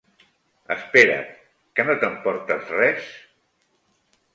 Espera't. Que no t'emportes res?